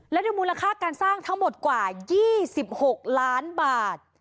และด้วยมูลค่าการสร้างทั้งหมดกว่า๒๖ล้านบาท